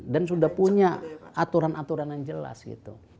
dan sudah punya aturan aturan yang jelas gitu